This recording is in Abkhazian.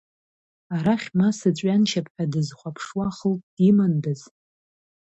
Арахь ма сыҵәҩаншьап ҳәа дызхәаԥшуа хылҵ димандаз…